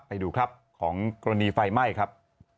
ไปดูครับของกรณีไฟไหม้ครับ